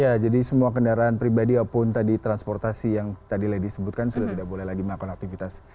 ya jadi semua kendaraan pribadi ataupun tadi transportasi yang tadi lady sebutkan sudah tidak boleh lagi melakukan aktivitas